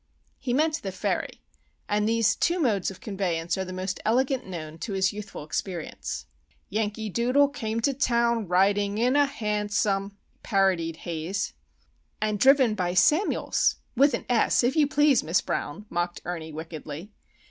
He meant the ferry; and these two modes of conveyance are the most elegant known to his youthful experience. "Yankee doodle came to town, Riding in a han som!"— parodied Haze. "And driven by Samuels,—with an s, if you please, Miss Brown," mocked Ernie, wickedly.